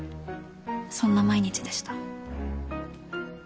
そんな毎日でした。